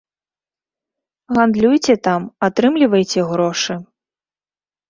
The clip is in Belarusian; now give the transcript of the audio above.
Гандлюйце там, атрымлівайце грошы.